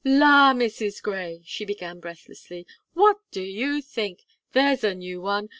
"La, Mrs. Gray!" she began breathlessly, "What do you think? There's a new one.